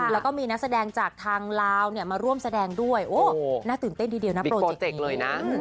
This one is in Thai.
แล้วก็มีนักแสดงจากทางลาวมาร่วมแสดงด้วยโอ้หน้าตื่นเต้นนิดนึงนะโปรเจกต์